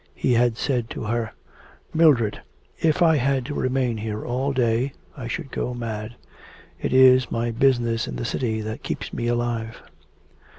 He had said to her: 'Mildred, if I had to remain here all day, I should go mad; it is my business in the city that keeps me alive.'